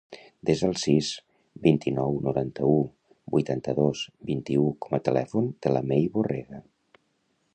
Desa el sis, vint-i-nou, noranta-u, vuitanta-dos, vint-i-u com a telèfon de la Mei Borrega.